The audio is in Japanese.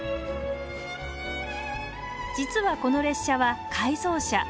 実はこの列車は改造車。